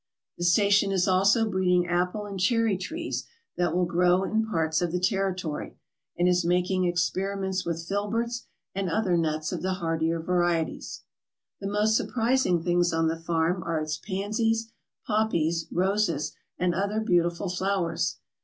The station is also breeding apple and cherry trees that will grow in parts of the territory, and is making experi ments with filberts and other nuts of the hardier varieties. The most surprising things on the farm are its pansies, poppies, roses, and other beautiful flowers.